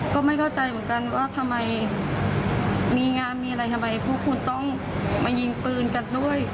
ก็ไม่เข้าใจเหมือนกันว่าทำไมมีงานมีอะไรทำไมพวกคุณต้องมายิงปืนกันด้วย